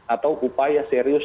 atau upaya serius